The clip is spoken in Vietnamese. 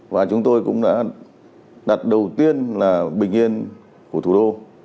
và chúng tôi cũng đã đặt đầu tiên là bình yên của thủ đô